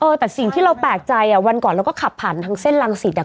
แต่สิ่งที่เราแปลกใจอ่ะวันก่อนเราก็ขับผ่านทางเส้นรังสิตอ่ะ